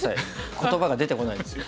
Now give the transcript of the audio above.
言葉が出てこないんですよ。